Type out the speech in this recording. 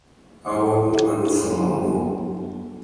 Awô wu a nu offamú ambōh.